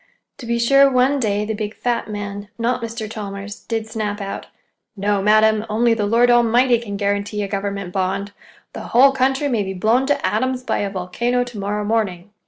To be sure, one day, the big fat man, not Mr. Chalmers, did snap out: "No, madam; only the Lord Almighty can guarantee a government bond—the whole country may be blown to atoms by a volcano to morrow morning!"